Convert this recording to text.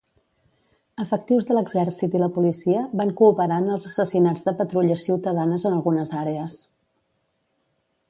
Efectius de l'exèrcit i la policia van cooperar en els assassinats de patrulles ciutadanes en algunes àrees.